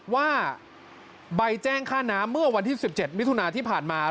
ว่าใบแจ้งค่าน้ำเมื่อวันที่๑๗มิถุนาที่ผ่านมา